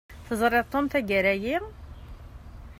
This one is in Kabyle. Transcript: Teẓriḍ Tom tagara-yi?